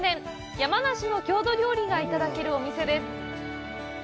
山梨の郷土料理がいただけるお店です。